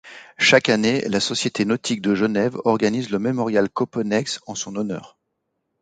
Chaque année, la Société nautique de Genève organise le Mémorial Copponex en son honneur.